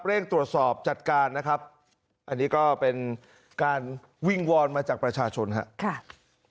เร่งตรวจสอบจัดการนะครับอันนี้ก็เป็นการวิ่งวอนมาจากประชาชนครับ